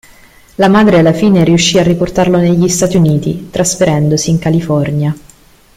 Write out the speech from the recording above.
La madre alla fine riuscì a riportarlo negli Stati Uniti, trasferendosi in California.